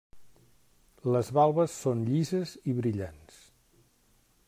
Les valves són llisses i brillants.